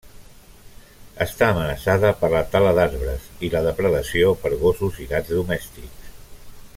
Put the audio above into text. Està amenaçada per la tala d'arbres i la depredació per gossos i gats domèstics.